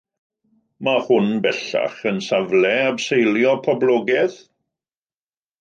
Mae hwn bellach yn safle abseilio poblogaidd.